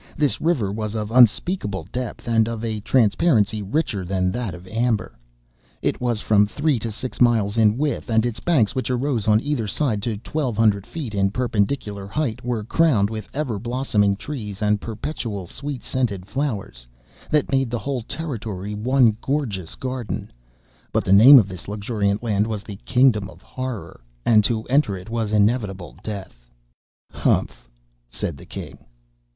This river was of unspeakable depth, and of a transparency richer than that of amber. It was from three to six miles in width; and its banks which arose on either side to twelve hundred feet in perpendicular height, were crowned with ever blossoming trees and perpetual sweet scented flowers, that made the whole territory one gorgeous garden; but the name of this luxuriant land was the Kingdom of Horror, and to enter it was inevitable death.'" (*8) "Humph!" said the king.